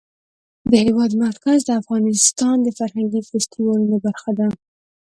د هېواد مرکز د افغانستان د فرهنګي فستیوالونو برخه ده.